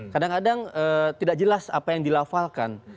kadang kadang tidak jelas apa yang dilafalkan